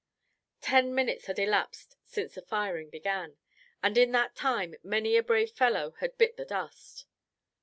Ten minutes had elapsed since the firing began, and in that time many a brave fellow had bit the dust.